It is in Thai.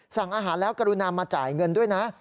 สั่งอาหารแล้วกรุณามาจ่ายเงินด้วยนะ